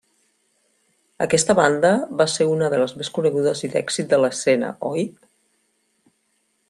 Aquesta banda va ser una de les més conegudes i d’èxit de l'escena Oi!